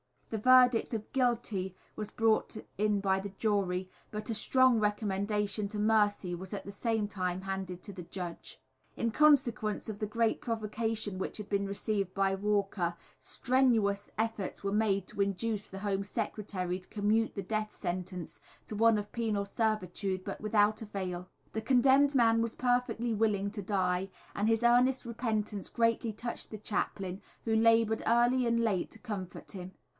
The verdict of "Guilty" was brought in by the jury, but a strong recommendation to mercy was at the same time handed to the judge. In consequence of the great provocation which had been received by Walker, strenuous efforts were made to induce the Home Secretary to commute the death sentence to one of penal servitude, but without avail. The condemned man was perfectly willing to die, and his earnest repentance greatly touched the chaplain who laboured early and late to comfort him.